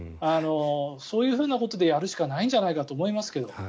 そういうことでやるしかないんじゃないかと思いますが。